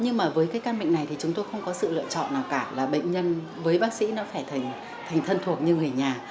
nhưng mà với cái căn bệnh này thì chúng tôi không có sự lựa chọn nào cả là bệnh nhân với bác sĩ nó phải thành thân thuộc như người nhà